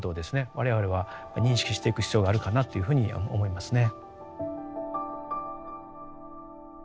我々は認識していく必要があるかなというふうに思いますね。